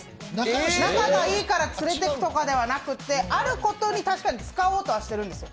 仲がいいから連れて行くのではなく、あることに確かに使おうとはしてるんです。